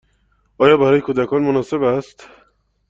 آیا برای کودکان مناسب است؟